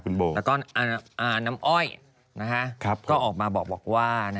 คุณโบแล้วก็น้ำอ้อยก็ออกมาบอกว่า